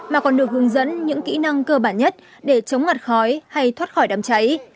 mà còn được hướng dẫn những kỹ năng cơ bản nhất để chống ngặt khói hay thoát khỏi đám cháy